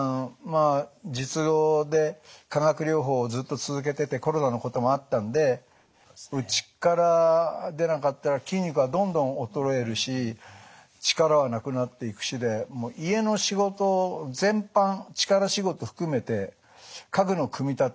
術後で化学療法をずっと続けててコロナのこともあったんでうちから出なかったら筋肉はどんどん衰えるし力はなくなっていくしで家の仕事全般力仕事含めて家具の組み立て。